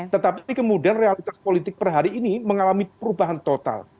tetapi kemudian realitas politik perhari ini mengalami perubahan total